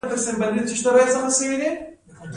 ایا زه به وکولی شم حج ته لاړ شم؟